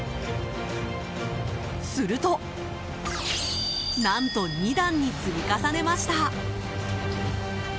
すると何と２段に積み重ねました。